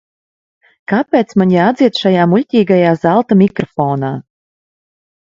Kāpēc man jādzied šajā muļķīgajā zelta mikrofonā?